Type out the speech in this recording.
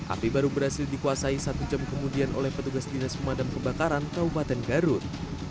api baru berhasil dikuasai satu jam kemudian oleh petugas dinas pemadam kebakaran kabupaten garut